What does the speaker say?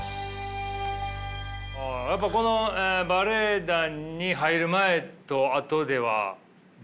やっぱりこのバレエ団に入る前と後では全然違います？